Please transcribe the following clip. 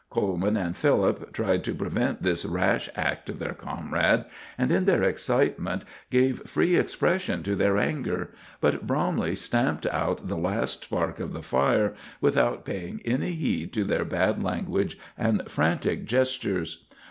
Coleman and Philip tried to prevent this rash act of their comrade, and in their excitement gave free expression to their anger; but Bromley stamped out the last spark of the fire without paying any heed to their bad language and frantic gestures.